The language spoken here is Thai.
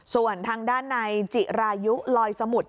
ส่วนทางด้านในจิรายุลอยสมุทร